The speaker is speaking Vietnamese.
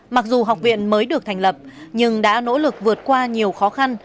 mặc dù học viện mới được thành lập nhưng đã nỗ lực vượt qua nhiều khó khăn